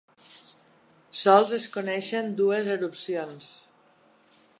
Sols es coneixen dues erupcions.